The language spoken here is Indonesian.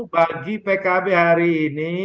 bagi pkb hari ini